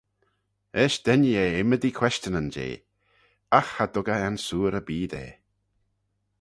"Eisht denee eh ymmodee questionyn jeh; agh cha dug eh ansoor erbee da."